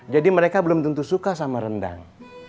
jadi mereka belum tentu suka sama rendang